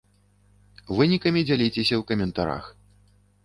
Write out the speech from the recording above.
Вынікамі дзяліцеся ў каментарах!